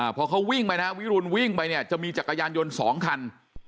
พอเขาวิ่งไปนะวิรุณวิ่งไปเนี่ยจะมีจักรยานยนต์๒คัน